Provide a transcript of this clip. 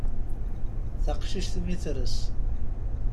Taqcict mi tres.